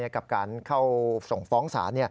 กับการเข้าส่งฟ้องศาล